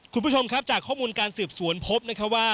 คุณผู้ชมครับจากข้อมูลการสืบสวนพบนะครับว่า